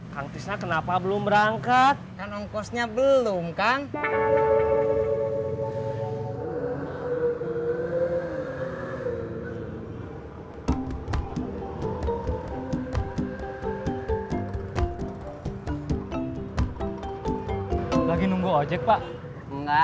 kang tisna kenapa belum berangkat kan ongkosnya belum kang